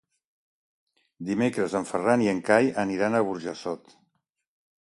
Dimecres en Ferran i en Cai aniran a Burjassot.